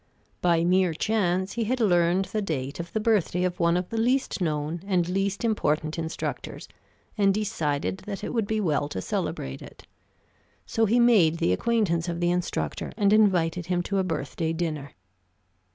By mere chance he had learned the date of the birthday of one of the least known and least important instructors, and decided that it would be well to celebrate it. So he made the acquaintance of the instructor and invited him to a birthday dinner.